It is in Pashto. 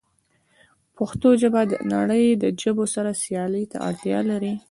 پښتو ژبه د نړۍ د ژبو سره سیالۍ ته اړتیا لري.